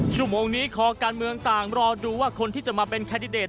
ชั่วโมงนี้คอการเมืองต่างรอดูว่าคนที่จะมาเป็นแคนดิเดต